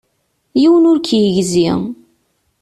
Yiwen ur k-yegzi.